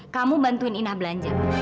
kamu bantuin ina belanja